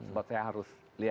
sebab saya harus lihat dulu gitu